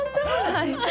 はい。